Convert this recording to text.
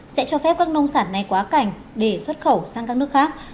sẽ cho phép các nông sản này quá cảnh để xuất khẩu sang các nước khác